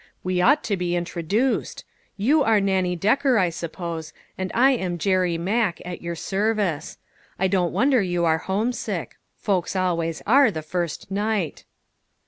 We ought to be introduced. You are Nannie Decker, I suppose, and I am Jerry Mack at your service. I don't wonder you are homesick ; folks always are, the first night."